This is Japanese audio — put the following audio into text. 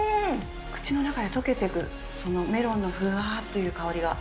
口の中で溶けていく、そのメロンのふわっという香りが。